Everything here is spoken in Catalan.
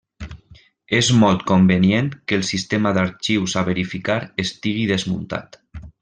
És molt convenient que el sistema d'arxius a verificar estigui desmuntat.